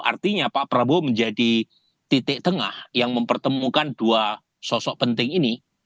artinya pak prabowo menjadi titik tengah yang mempertemukan dua sosok penting ini